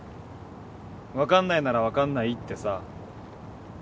分かんないなら分かんないってさ